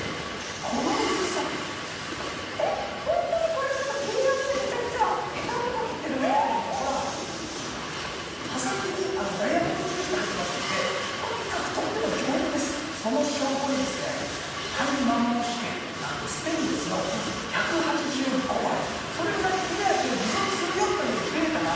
この薄さえっホントにこれ切りやすいめちゃくちゃヘタのとこ切ってるぐらいやねんもんほら刃先にダイヤモンド粒子が入ってますのでとにかくとっても丈夫ですその証拠にですねそれぐらい切れ味を持続するよというデータがあるんです